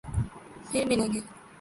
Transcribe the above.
پھر ملیں گے